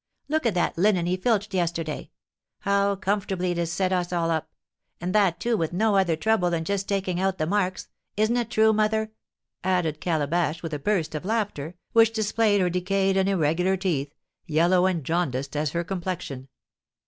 Look at that linen he filched yesterday; how comfortably it set us all up; and that, too, with no other trouble than just taking out the marks; isn't it true, mother?" added Calabash, with a burst of laughter, which displayed her decayed and irregular teeth, yellow and jaundiced as her complexion.